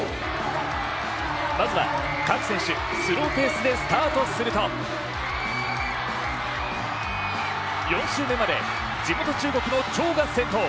まずは各選手、スローペースでスタートすると４周目まで地元選手の張選手が先頭